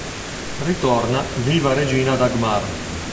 Ritorna viva Regina Dagmar.